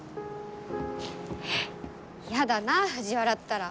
ヤダな藤原ったら